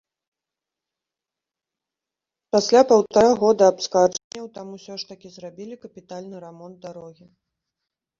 Пасля паўтара года абскарджванняў там усё ж такі зрабілі капітальны рамонт дарогі.